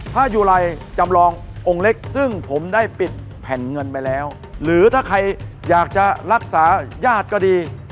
ยุไรจำลององค์เล็กซึ่งผมได้ปิดแผ่นเงินไปแล้วหรือถ้าใครอยากจะรักษาญาติก็ดี